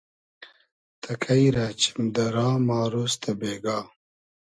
تئکݷ رۂ چیم دۂ را ما رۉز تۂ بېگا